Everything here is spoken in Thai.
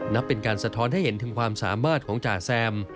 นับเป็นการสะท้อนให้เห็นถึงความสามารถของจ่าแซม